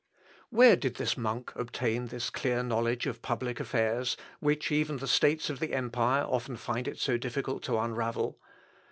Where did this monk obtain this clear knowledge of public affairs, which even the states of the empire often find it so difficult to unravel?